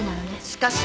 しかし。